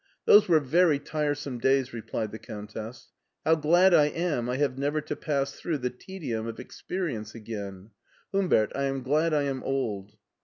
"Those were very tiresome days," replied the Countess; '*how glad I am I have never to pass through the tedium of experience again. Humbert, I am glad I am old."